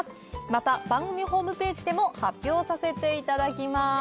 また番組ホームページでも発表させて頂きます